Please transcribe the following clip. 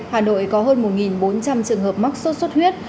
hà nội có hơn một bốn trăm linh trường hợp mắc sốt xuất huyết